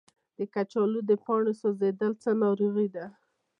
د کچالو د پاڼو سوځیدل څه ناروغي ده؟